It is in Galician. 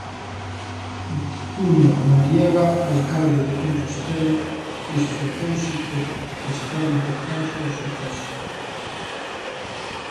Martiño Noriega, alcalde de Compostela, esforzouse por restar importancia ao suceso.